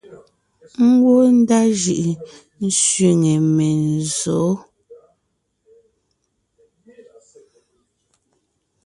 Ngwɔ́ ndá jʉʼʉ sẅiŋe menzsǒ.